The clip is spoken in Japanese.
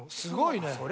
すごいね！